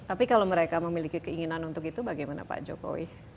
tapi kalau mereka memiliki keinginan untuk itu bagaimana pak jokowi